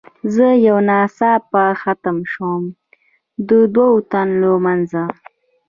زه یو ناڅاپه خم شوم، د دوو تنو له منځه.